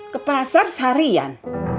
ke pasar seharian